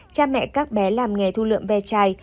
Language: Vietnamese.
cha mẹ các bé làm nghề thu lượm ve chai